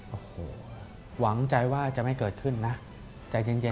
โอ้โหหวังใจว่าจะไม่เกิดขึ้นนะใจเย็นกันหน่อยนะ